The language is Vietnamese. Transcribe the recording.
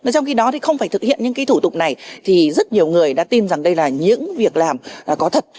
trong khi đó thì không phải thực hiện những thủ tục này thì rất nhiều người đã tin rằng đây là những việc làm có thật